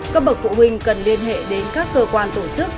các bậc phụ huynh cần liên hệ đến các cơ quan tổ chức